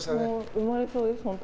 生まれそうです、本当。